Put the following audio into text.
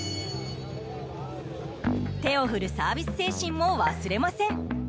手を振るサービス精神も忘れません。